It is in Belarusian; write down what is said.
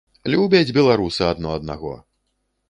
Любяць беларусы адно аднаго!